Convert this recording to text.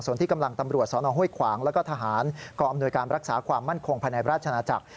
ส่วนที่กำลังตำรวจสนห้วยขวางแล้วก็ทหารกองอำนวยการรักษาความมั่นคงภายในราชนาจักร